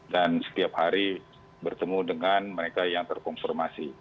dan setiap hari bertemu dengan mereka yang terkonformasi